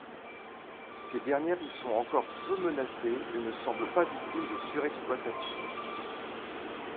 Ces dernières y sont encore peu menacées et ne semblent pas victimes de surexploitation.